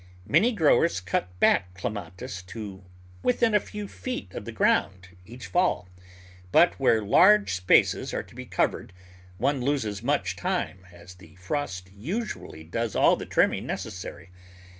Many growers cut back Clematis to within a few feet of the ground each fall, but where large spaces are to be cov ered one loses much time, as the frost usually does all the trimming necessary.